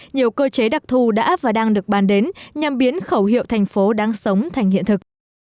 nhiều cơ chế đặc thù đã và đang được bàn đến nhằm biến khẩu hiệu thành phố đáng sống thành hiện thực